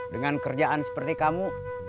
dengan kerjaan seperti kamu